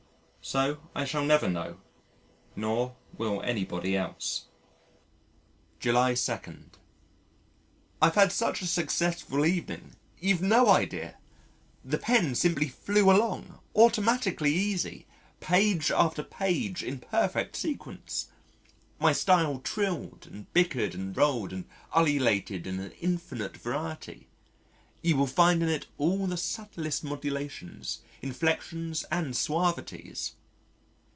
So I shall never know, nor will anybody else. July 2. I've had such a successful evening you've no idea! The pen simply flew along, automatically easy, page after page in perfect sequence. My style trilled and bickered and rolled and ululated in an infinite variety; you will find in it all the subtlest modulations, inflections and suavities.